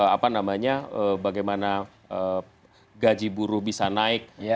apa namanya bagaimana gaji buruh bisa naik